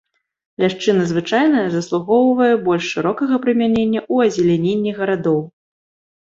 Ляшчына звычайная заслугоўвае больш шырокага прымянення ў азеляненні гарадоў.